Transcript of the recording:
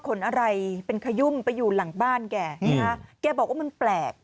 อะไรเป็นขยุ่มไปอยู่หลังบ้านแกนะฮะแกบอกว่ามันแปลก